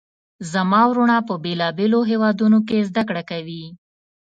زما وروڼه په بیلابیلو هیوادونو کې زده کړه کوي